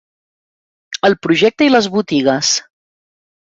El projecte i les botigues